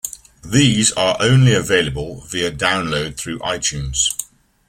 These are only available via download through iTunes.